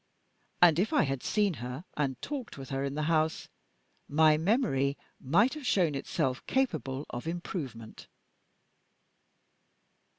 And if I had seen her and talked with her in the house, my memory might have shown itself capable of improvement.